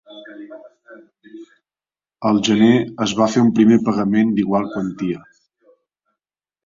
Al gener es va fer un primer pagament d’igual quantia.